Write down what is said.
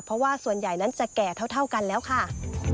เพราะว่าส่วนใหญ่นั้นจะแก่เท่ากันแล้วค่ะ